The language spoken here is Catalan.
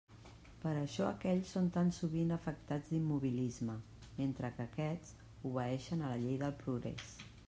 Per això aquells són tan sovint afectats d'immobilisme, mentre que aquests obeeixen a la llei del progrés.